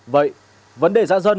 vậy vấn đề dã dân không đáp ứng